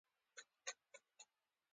ایا زه باید ګیلاس وخورم؟